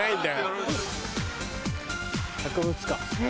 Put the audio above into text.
博物館。え！